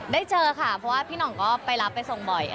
ได้เจอค่ะเพราะว่าพี่หน่องก็ไปรับไปส่งบ่อย